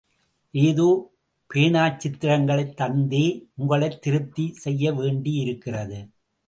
ஏதோ பேனாச்சித்திரங்களைத் தந்தே உங்களைத் திருப்தி செய்ய வேண்டியிருக்கிறது.